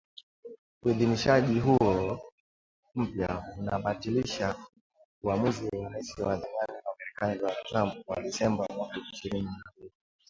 Uidhinishaji huo mpya unabatilisha uamuzi wa Rais wa zamani wa Marekani Donald Trump wa Disemba mwaka elfu mbili ishirini